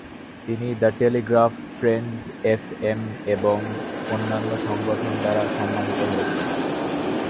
তিনি the Telegraph, Friends F M এবং অন্যান্য সংগঠন দ্বারা সম্মানিত হয়েছেন।